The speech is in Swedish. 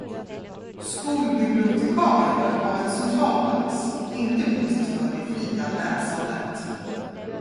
Skolbibliotekarier har en central plats, inte minst för det fria läsandet.